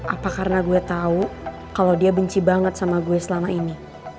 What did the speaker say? apa karena gue tahu kalau dia benci banget sama gue selama ini